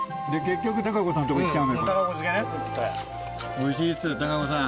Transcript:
おいしいです孝子さん。